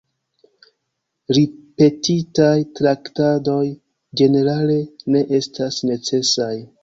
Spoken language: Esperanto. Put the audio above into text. Ripetitaj traktadoj ĝenerale ne estas necesaj.